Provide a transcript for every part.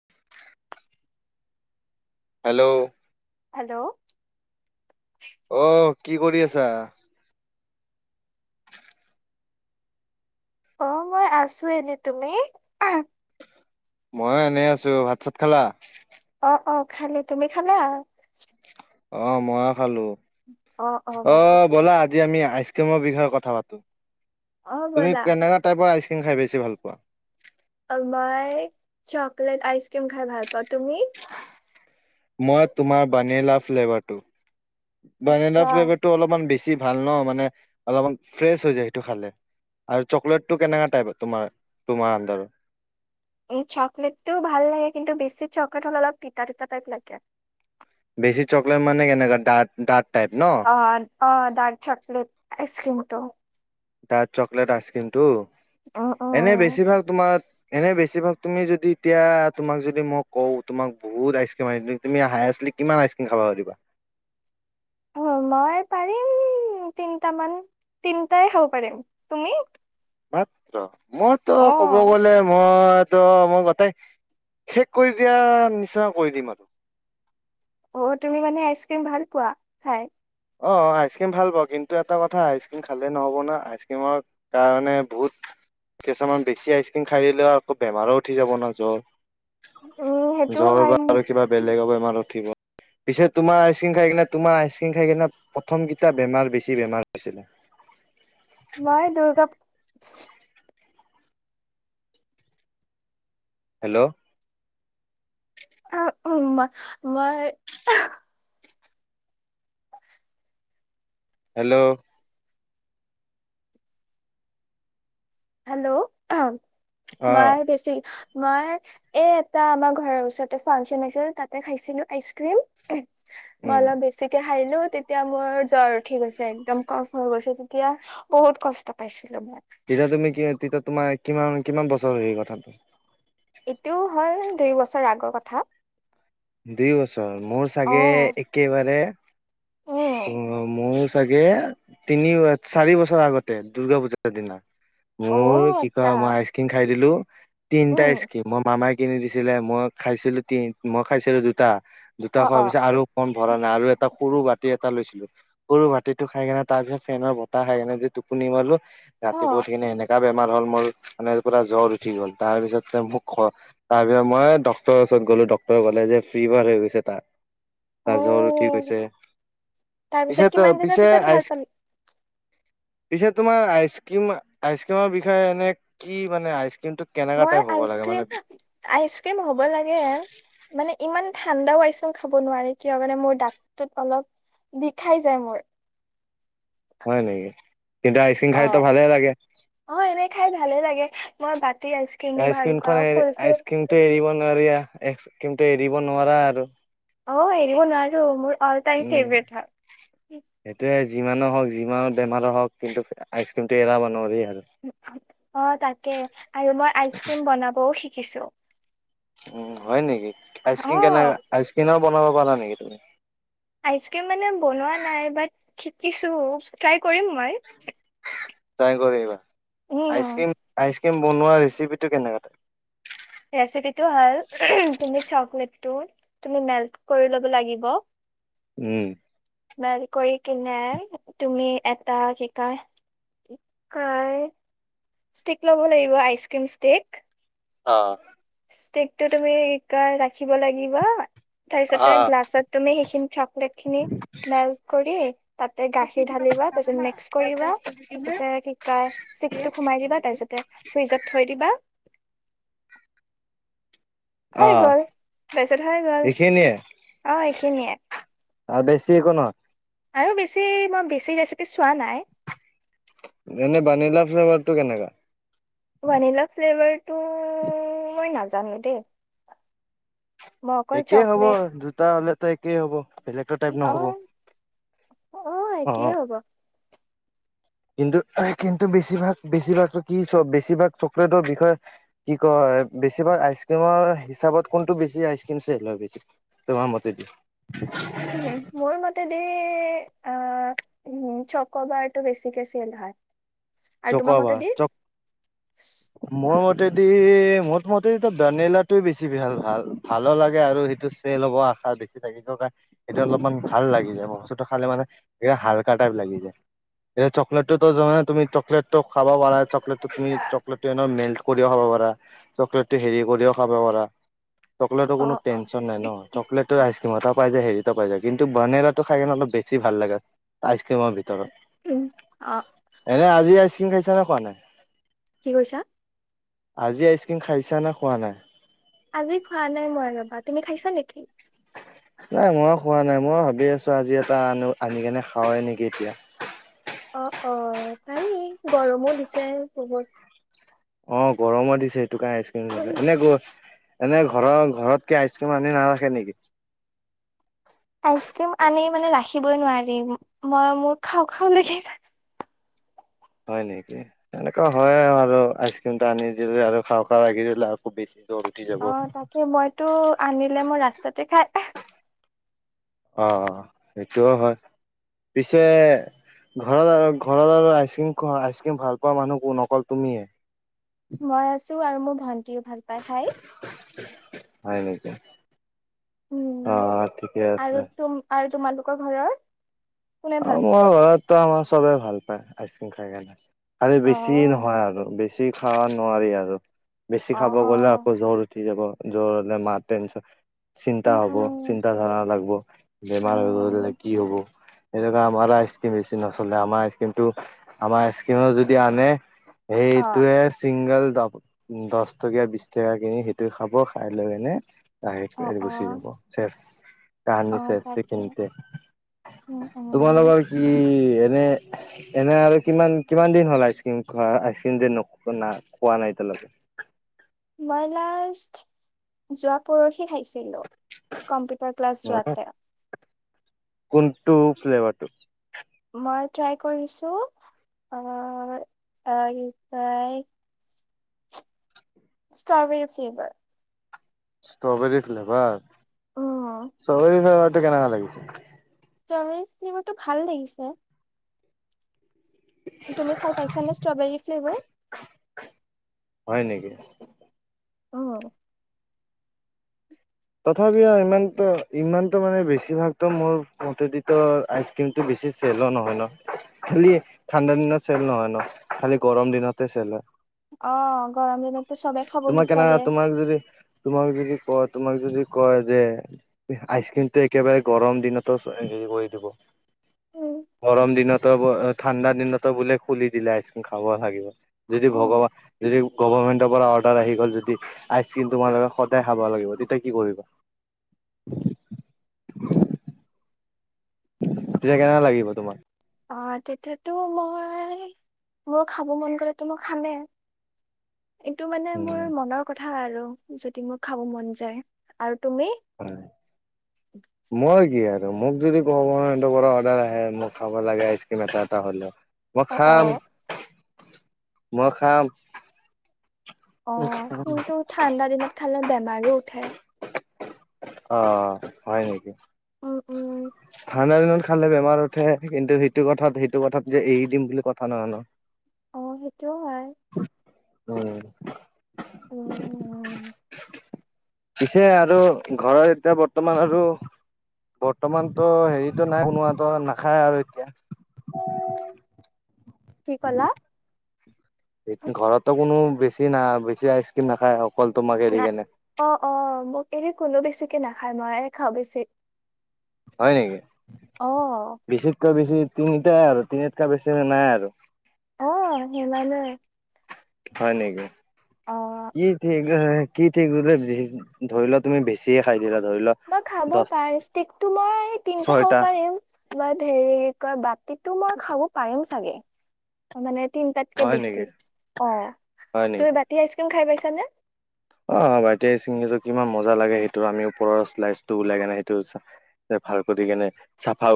হয় [unintelligible] hello hello আহ কি কৰি আছা অ মই আছো এনে তুমি মই এনেই আছো ভাত চাত খালা অ অ খালি তুমি খালা অ মই খালো অ অ ঠিকে ব'লা আছে আজি আমি আইচ এতিয়া মই বিঘা বিষয়ে কথা পাতোঁ অ তুমি ব'লা কেনে টাইপৰ আইচক্ৰীম আইচ ক্ৰীম খাই বেছি ভাল পোৱা অ মই চকলেট আইচক্ৰীম খাই ভাল পাওঁ তুমি মই তোমাৰ বানিলা ফ্লেভাৰটো আচ্ছা বানেলা ফ্লেভাৰ টো অলপমান বেছি ভাল ন মানে অলপমান ফ্ৰেছ হৈ যায় সেইটো খালে আৰু চকলেটটো কেনেকা টাইপ তোমাৰ তোমাৰ আডাৰো উ চকলেটোও ভাল লাগে কিন্তু বেছি চকলেট হলে অলপ তিতাঁ তিতাঁ টাইপ লাগে বেছি চকলেট মানে কেনেকা দাঁক দাঁক অ অ ডাৰ্ক চকলেট আইচ ক্ৰীম তো ডাৰ্ক চকলেট আইচক্ৰীম ত উম এনে উম বেছিভাগ তোমাৰ এনে বেছিভাগ তুমি যদি এতিয়া তোমাক যদি মই কওঁ তোমাক বহুত আইচক্ৰীম আনি দিওঁ তুমি হালি আইচক্ৰীম কিমান কিমান খাবা পাৰিবা মই পাৰিম তিনিটামান তিনটাই খাব পাৰিম তুমি মাত্ৰ মইতো অ ক'ব গলে মই ত মই গটাই শেষ কৰি দিয়া নিচিনা কৰি দিম আৰু অ তুমি মানে আইচক্ৰীম ভাল পোৱা খাই অ আইচক্ৰীম ভাল পাওঁ কিন্তু এটা কথা আইচ ক্ৰীম খালে নহব না আইচ ক্ৰীমৰ কাৰণে বহুত কিছুমান বেছি আইচ ক্ৰীম খাইদিলেও আকৌ বেমাৰো উঠি যাব না জ্বৰ উম সেইটো জ্বৰ বা হয় আৰু কিবা বেলেগ বেমা জ্বৰ উঠি পিছে তোমাৰ আইচক্ৰীম খাই কিনে তোমাৰা আইচক্ৰীম সেই কাৰনে প্ৰথমকেইটা বেমাৰ বেছি বেমাৰ হৈছিলে মানে দুৰ্গা হেল্ল' আহ উ মই হেল্ল' হেল্ল' অম অ মায়ে বেছি মই এ এটা আমাৰ ঘৰৰ ওচৰতে ফাংচন আছিল তাতে খাইছিলো আইচ ক্ৰীম উম অলপ বেছিকে খাইদিলো তেতিয়া মোৰ জ্বৰ উঠি গৈছে, একদম কফ হৈ গৈছে, তেতিয়া বহুত কষ্ট পাইছিলোঁ মই। তেতিয়া তুমি কি হয়, তেতিয়া তোমাৰ কিমান কিমান বছৰ হেৰি তাত? এতিয়াও হয়, দুই বছৰ আগৰ কথা। দুই বছৰ। মোৰ অ চাগে একেবাৰে উম মোৰ চাগে তিনি চাৰি বছৰ আগতে। দ, দূৰ্গা পূজাৰ দিনা। অ মোৰ কি আচ্ছা কয়, মই আইচ ক্ৰীম খাই দিলোঁ তিনিটা উম স্কিম, মই মামাক কিনি দিছিলে, মই খাইছিলোঁ তি, মই খাইছিলোঁ দুটা। দুটা অ খোৱাৰ অ পিছত আৰু কণ ভৰা নাই, আৰু এটা সৰু বাতি এটা লৈছিলো‍ঁ সৰু বাতিটো খাই কেনে তাৰ পিছত ফেনৰ বতাহ খাই কিনে যে টোপনি মাৰ্লো অ ৰাতিপুৱ উঠি কিনে এনেকাা বেমাৰ হ'ল মোৰ মানেৰা জ্বৰ উঠি গ'ল । তাৰ পিছতে মোক তাৰ পিছত মই ডক্টৰৰ ওচৰত গ'লো ডক্তৰে ক'লে যে ফিভাৰ হৈ গৈছে বুলি। অ গাত জ্বৰ উঠি গৈছে, তাৰপিছত পিছে, কিমান দিনৰ পিছে, পিছত ভাল আইচ পালি পিছে তোমাৰ আইচ ক্ৰীম, আইচ ক্ৰীমৰ বিষয়ে এনে কি মানে আইচ মই আইচ ক্ৰীম, আইচ ক্ৰীম হ'ব লাগে। মানে ইমান ইমান ঠাণ্ডাও আইচক্ৰীম খাব নোৱাৰি, কিয় কাৰণে মোৰ দাঁতটোত অলপ বিষাই যায় মোৰ। হয় নেকি কিন্তু আইচক্ৰীম খাইতো অ' ভালে লাগে অ' এনেই খাই ভালে লাগে। মই বাট আইচক্ৰীমখন এৰি, আইচ ক্ৰীমতটো এৰিব নোৱাৰি। আইচক্ৰীমটো এৰিব নোৱাৰা আৰু। অ' এৰিব নোৱাৰোঁ মোৰ অ'ল টাইম উম ফেভৰেট হয়। সেইটোয়ে যিমানো হওক যিমান বেমাৰো হওক কিন্তু আইচক্ৰীমটো এৰাব নোৱাৰি আৰু। অ' তাকে আৰু মই আইচ ক্ৰীম বনাবও শিক কিছোঁ। উম হয় নেকি? আইচক্ৰীন কেনেকা আইচক্ৰীনৰ বনাব পৰা নেকি তুমি? আইচ ক্ৰীম মানে বনোৱা নাই, বাট শিকিছোঁ, ত্ৰাই কৰিম মই। তাই কৰিবা? উম আইচক্ৰীিম বনোৱা ৰেচিপি টো কেনেকা? ৰেচিপিটো হ'ল তুমি চকলেটটো তুমি মেল্ট কৰি ল'ব লাগিব। উম। মেলট কৰি কিনে তুমি এটা কি কয় ষ্টিক ল'ব লাগিব আইচকিম ষ্টিক। অ। ষ্টিকটো তুমি ৰাখিব লাগিব। অ তাৰপিছতে গ্লাছত তুমি সেইখিন চকলেট খিনি মেল্ক কৰি, তাতে গাখীৰ ঢালিবা তাৰপিছ মিক্স কৰিবা। তাৰপিছতে কি কয় ষ্টিকটো সোমাই দিবা তাৰপিছতে ফ্ৰিজত থৈ দিবা। অ হৈ গ'ল তাৰিছত হৈ গ'ল এইখিনিয়ে অই। খিনিয়ে। আৰু বেছি একো নহয় । আৰু বেছি মই বেছি ৰেচিপি চোৱা নাই। এনে বানিলা ফ্লেভাৰটো কেনেকা। বাৰনিলা ফ্লেভৰ্ড টো মই নাজানো দেই। মই অকল একেই হ'ব চকলেট দুটা হ'লে। দুটা একেই হ'ব। বেলেগতো টাইপ অ নহ'ব অহ অ একেই হ'ব। কিন্তু কিন্তু বেছিভাগ বেছিভাগ কি বেছিভাগ চকলেটৰ বিষয়ে কি কয় ।বেছিভাগ আইচ ক্ৰীমৰ হিচাপত কোনটো বেছি আইচক্ৰীম চেল হয় তোমাৰ মতেদি। উ মোৰ মতে দি। উ চক্ৰবাৰটো বেছিকে চেলে হয়। আৰু তোমাৰ মতেদি চকৌবাৰ মোৰ মতে।। মোৰ মটে দি মোৰ মটে দি ভেনিলাটোয়ে বেছি ভাল ভাল ভালো লাগে ।আৰু সেইটো চেল হ'ব আশা বেছি থাকে ।কাৰ সেইটো অলপমান ভাল লাগি যাব। বস্তুটো খালে মানে হালকা টাইপ লাগি যায় এতিয়া চকলেটটো যানা তুমি। লেটক- খাব পাৰা চকলেট তুমি চকলেটটো এন মেন- কৰিও খাব পাৰা চকলেটটো হেৰি কৰিও খাব পাৰা। চকলেটৰ অ কোনো অ টেনচন নাই ন চকলেট আইচ। সীমতও পাই যে হেৰিটা পাই যায় ।কিন্তু বানেলাটো খাই কিনে অল বেছি ভাল লাগে আইচক্ৰীমৰ ভিতৰত। উম অ এনে আ আইচক্ৰীিম খাইছ নে খোৱা নাই। কি কৈছা? আজি আইচক্ৰীিম খাইছা নে খোৱা নাই? আজি খোৱা নাই মই ৰবা তুমি খাইছা নেকি? নাই ময়ো খোৱা নাই ময় ভাবি আছোঁ আজি এটা আনো আনি কেনে খাাৱৱেই নেকি এতিয়া। অ অ পাৰি গৰমো দিছে বহুত। অ গৰমো দিছে। দুটা আইচক্ৰিম [unintelligible] এনে ঘৰৰ ঘৰতক আইচক্ৰীম আনি নাৰাখে নেকি? আইচক্ৰীম আনি মানে ৰাখিবই নোৱাৰি মই মোৰ খাওঁ খাওঁ লাগে। হয় নেকি এনেকুৱা হয় আৰু আইচ ক্ৰীমটা আনি দিলো আৰু খা খা লাগি দিলে আৰু খুব বেছি জ্বৰ উঠি যাব। অ তাকে মইতো আনিলে মোৰ ৰাস্তাতে খাই অ অ সেইটোও হয় পিছে ঘৰত ঘৰত আৰু আইচক্ৰীম খোৱা আইচক্ৰীম ভাল পোৱা মানুহো নকল তুমিয়ে মই আছো আৰু মোৰ ভাল ও ভাল পায় খাই [inaudible] উম আহ ঠিকেই আছে ত ঘৰত অঁ ত আমাৰ চবেই ভাল পায় আইচক্ৰ্ৰীম খাই কেনে খালে অ বেছি নহয় আৰু বেছি বেছি খাব নোৱাৰি আৰু বেছি অ খাব গ'লে আকৌ জ্বৰ উঠি যাব জৰে মাৰটেনচ চিন্তা উম হব উম চিন্তাধাৰা লাগিব বেমাৰ হৈ গলে উম কি হব। এনেকা আমাৰ আইচ ক্ৰীমনিচিনা আচলতে আমাৰ আইচত্ৰীমটো আমাৰ স্কিমত যদি আনে অ সেইটোয়ে চিংগল দহ টকীয়া বিশ টকা কিনি সেইটো খাব খাই লৈ অ মনে অ গুচি যাব চে অ কাহানী চেচ তাকে সখিনতেে উম উম তোমালোকৰ কি এনে এনে আৰু কিমান কিমান দিন হ'ল আইচক্ৰীম খোৱা আইচক্ৰীম যে ন না খোৱা নাই এতিয়ালৈ মই লাষ্ট যোৱা পৰহি খাইছিলো কম্পিউটাৰ ক্লাছ যোৱাতে কুন্টু ফ্লেভাৰট মই ট্ৰাই কৰিছো ষ্ট্ৰবেৰী ফ্লেভাৰ। Strawberry flavour. উম চবৰি খ টো কেনেকা লাগিছে চল চমাটো ভাল লাগিছে তুমি ভাল পাইছানে ষ্ট্ৰবেৰী ফ্লেভাৰ হয় নেকি? আহ তথাপিও ইমানত ইমানতো মানে বেছিভাগতো মোৰ মতেদিতো আইচক্ৰীমটো বেছি চেলো নহয় ন খালি ঠাণ্ডা দিনত চেল নহয় ন খালি গৰম দিনতে চেল অ গৰম দিনততো চবে খাব তোমাক বিচাৰে । প তোমাক যদি কয় যে । আইচ ক্ৰ্ৰীমটো একেবাৰে । গৰম দিনতো হেৰি কৰি দিব উম গৰম দিনতো ঠাণ্ডা দিনতো বোলে খুলি দিলে আইচক্ৰীম খাব লাগিব যদি উম ভগৱান যদি গভমেণ্টৰ পৰা অৰ্ডাৰ আহি গ'ল যদি আইচক্ৰীম তোমালোকে সদায় খাব লাগিব তে ত কি কৰিবা তেতিয়া কেনে লাগিব তোমাৰ অ তেতিয়াতো মই মোৰ খাব মন গ'লেতো মই খামেই এইটো মানে উম। মোৰ মনৰ কথা আৰু যদি মোৰ খাব মন যায় আৰু তুমি হয় মই গ আৰু মোক যদি কব অৰ্ আহ খ লাগেইচ এ এ হলে অ অ মখান মখাম অ কিন্তু ঠাণ্ডা দিনত খালে বেয়া বাৰো উঠাই অ হয় নেকি উম উম থান দি ন খালে বেমাৰ উঠে কিন্তু সেইটো কথাত সেইটো কথাত যে এৰি দিম বুলি কথা নহয়ানো অ সেইটোও হয় অ । উম [unintelligible] পিছে আৰু ঘৰত এতিয়া বৰ্তমান আৰু বৰ্তমানতো হেৰিতটো নাই কোনোবাত নাখায় আৰু এতিয়া । কি কলা । ঘৰতো কোনো বেছি না বেছি আইচ ক্ৰীম নাখায় । নাই অ অ মোক এনে কোনো বেছি তে নাখায় মই খাওঁ বেছি হয় নেকি অ বিচিত ক বিচি তিনিটাই আৰু তিনিআটকাৈ বেছি নাই আৰু আহ হেমালয় হয় নেকি কি থে কি ঠিকলে ধৰি লোৱা তুমি বেছিয়ে খাই। দিলা ধৰি লোৱা বা, খাব দহ পাৰ ষ্টিকটো মই খাব ছয়টা পাৰিম বা ধেৰিত [unintelligible] [unintelligible] কয় বাতিটো মই খাব পাৰিম চাগে মানে। তিনটাতকে হয় নেকি বেছি, অ হয় নেকি তুমি বাতি আইচক্ৰীম খাই পাইছ। [unintelligible] অ, বাতি আইচক্ৰীঁম খাইছো কিমান মজা লাগে সেইটো আমি ওপৰৰ্লাইটো উওলাই কেনে সেইটো ভাল কৰি কেনে চাফা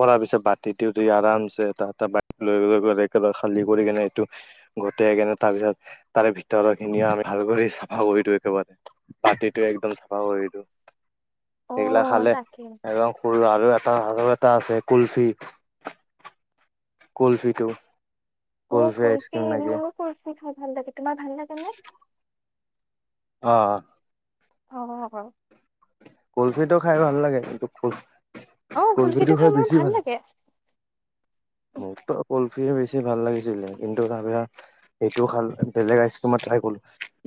কৰ পিছত বাতি দি আৰাম ত লৈ খালি কৰি কেনে সেইটো গোট কেনে তাৰ পিছত তাৰে ভিতৰ খিনি আমি ভাল কৰি। চাফা কৰি দিও একেবাৰে বাতিটো একদম চাফা কৰি দিও। অ', সেইগিলা খালে তাকে। একদম সৰু আৰু, । এআৰু এটা আছে কুলফি। কলফিটো। অ। কৰ্ফিোৰো কৰ্ফি খাই ভাল লাগে তোমাৰ ভাল লাগ নে [unintelligible] অঁ' অঁ। কুলফি খাই ভাল লাগে কিন্তু ক। অ', কলফটো কুলফিটো খাই মোৰ বেছি ভাল লাগে। মোৰতো কলফে বেছি। ভাল লাগিছিলে কিন্তু তাৰিছৰা সেইটো খাল বেলেগ আইচমই ট্ৰাই কলো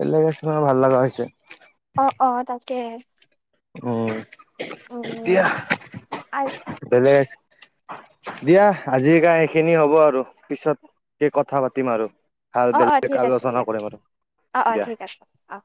বেলেগ আইচ ভাল লগা হৈছে। অ অ তাকে। উম । এতিয়া উম, আ- বেলেগ আ। দিয়া আজি কাই সখিনি হ'ব আৰু পিছত স কথা পাতিম আৰু। ভাল অ অ বেলেগ ঠিক, আছে আলোচনা দিয়া কৰিম আৰু অ অ দিয়া ঠিক আছে অ।